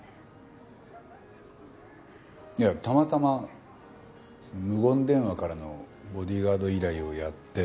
いやたまたま無言電話からのボディーガード依頼をやって。